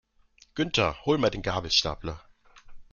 Günther, hol mal den Gabelstapler!